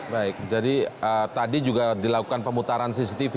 baik jadi tadi juga dilakukan pemutaran cctv